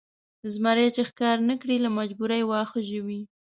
زمری چې ښکار نه کړي له مجبورۍ واښه ژوي.